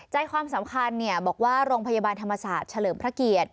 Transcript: ใจความสำคัญบอกว่าโรงพยาบาลธรรมศาสตร์เฉลิมพระเกียรติ